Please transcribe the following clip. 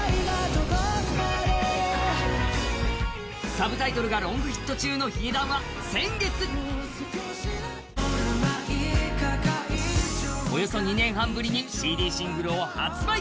「Ｓｕｂｔｉｔｌｅ」がロングヒット中のヒゲダンは先月およそ２年半ぶりにＣＤシングルを発売。